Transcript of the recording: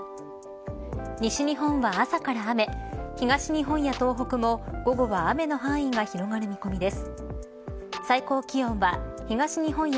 西日本は朝から雨東日本や東北も午後は雨の範囲が広がる見込みです。